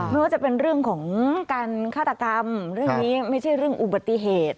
ไม่ว่าจะเป็นเรื่องของการฆาตกรรมเรื่องนี้ไม่ใช่เรื่องอุบัติเหตุ